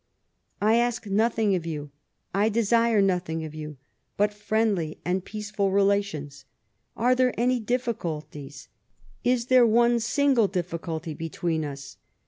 I ask nothing of you, I deshe nothing of you but friendly and peaceful relations. Are there any difficulties — is there one single difficulty — between us?